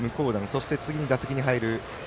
そして、次に打席に入る